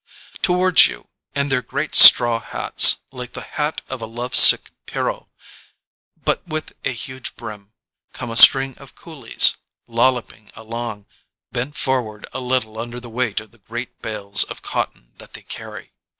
Towards you in their great straw hats, like the hat of love sick Pierrot, but with a huge brim, come a string of coolies, lolloping along, bent for ward a little under the weight of the great bales of cotton that they carry.